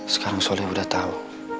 sekarang sholat udah tahu